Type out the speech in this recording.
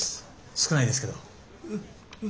少ないですけど。